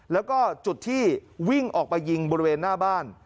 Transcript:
แล้วก็จุดที่วิ่งออกไปยิงบริเวณหน้าบ้าน